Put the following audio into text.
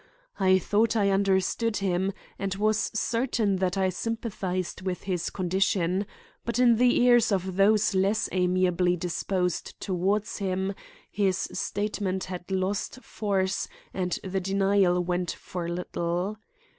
I thought I understood him and was certain that I sympathized with his condition; but in the ears of those less amiably disposed toward him, his statements had lost force and the denial went for little.